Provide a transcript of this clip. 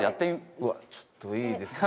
うわちょっといいですか。